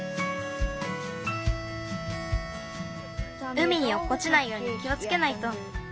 うみにおっこちないように気をつけないと。